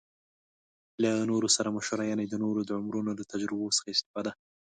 له نورو سره مشوره يعنې د نورو د عمرونو له تجربو څخه استفاده